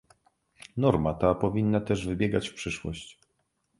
Norma ta powinna też wybiegać w przyszłość